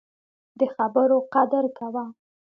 د خبرو قدر کوه